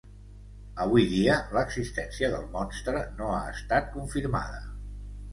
Avui dia, l'existència del monstre no ha estat confirmada.